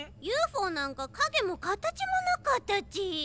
ユーフォーなんかかげもかたちもなかったち。